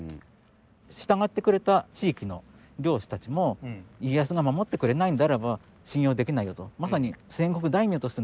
従ってくれた地域の領主たちも家康が守ってくれないんであれば信用できないよと。